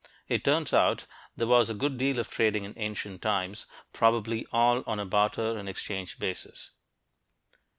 It turns out that there was a good deal of trading in ancient times, probably all on a barter and exchange basis.